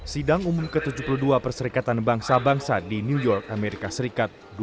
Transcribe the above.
sidang umum ke tujuh puluh dua perserikatan bangsa bangsa di new york amerika serikat